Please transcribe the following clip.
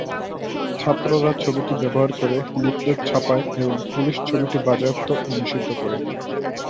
ছাত্ররা ছবিটি ব্যবহার করে লিফলেট ছাপায় এবং পুলিশ ছবিটি বাজেয়াপ্ত ও নিষিদ্ধ করে।